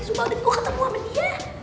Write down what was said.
sumpah udah gue ketemu sama dia